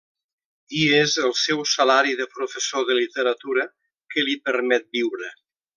I és el seu salari de professor de literatura que li permet viure.